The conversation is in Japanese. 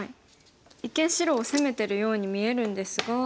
一見白を攻めてるように見えるんですが。